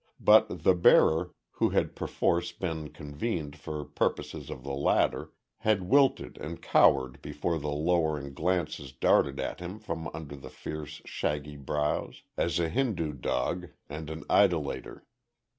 But the bearer, who had perforce been convened for purposes of the latter, had wilted and cowered before the lowering glances darted at him from under fierce shaggy brows, as a Hindu dog and an idolater.